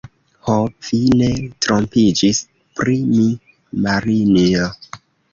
Ho, vi ne trompiĝis pri mi, Marinjo!